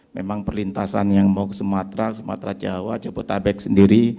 memang perlintasan yang mau ke sumatera sumatera jawa jabutabek sendiri